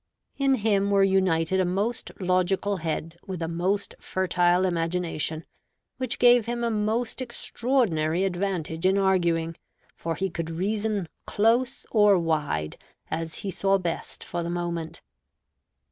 In him were united a most logical head with a most fertile imagination, which gave him a most extraordinary advantage in arguing; for he could reason close or wide, as he saw best for the moment.